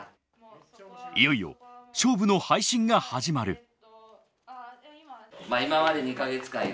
いよいよ勝負の配信が始まる。